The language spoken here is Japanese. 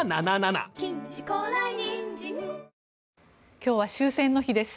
今日は終戦の日です。